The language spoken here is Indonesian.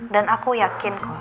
dan aku yakin kok